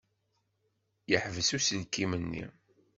Yeḥbes uselkim-nni.